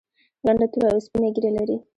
لنډه توره او سپینه ږیره لري.